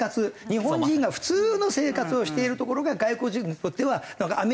日本人が普通の生活をしているところが外国人にとってはアメイジングらしいんですわ。